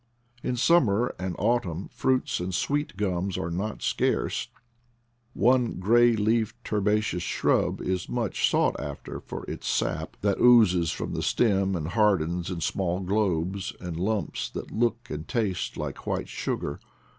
In summer and au tumn fruits and sweet gums are not scarce. One gray leafed herbaceous shrub is much sought after for its sap, that oozes from the stem and hardens ASPECTS OP THE VALLEY 47 in small globes and lumps that look and taste like white sugar.